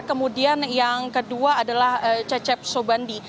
kemudian yang kedua adalah cecep sobandi